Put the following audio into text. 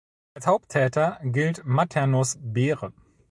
Als Haupttäter gilt Maternus Bere.